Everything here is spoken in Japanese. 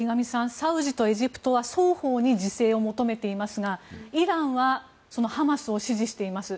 サウジとエジプトは双方に自制を求めていますがイランはそのハマスを支持しています。